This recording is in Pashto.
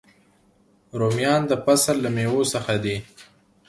رومیان د فصل له میوو څخه دي